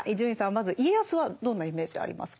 まず家康はどんなイメージありますか？